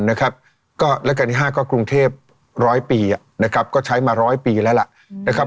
รักการที่๕ก็กรุงเทพฯร้อยปีก็ใช้มาร้อยปีแล้วล่ะ